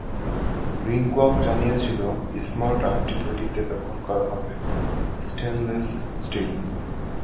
Ring clock জানিয়েছিল, smart আংটি তৈরিতে ব্যবহার করা হবে স্টেনলেস স্টিল।